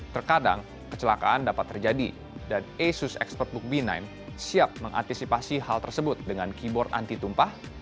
terkadang kecelakaan dapat terjadi dan asus expertbook b sembilan siap mengantisipasi hal tersebut dengan keyboard anti tumpah